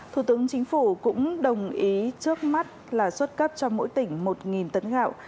thủ tướng chính phủ cũng đồng ý trước mắt là xuất cấp cho mỗi tỉnh một tấn gạo